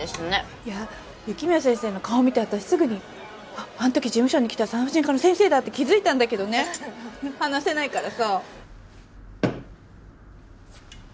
いや雪宮先生の顔見て私すぐにあっあの時事務所に来た産婦人科の先生だって気づいたんだけどね話せないからさ。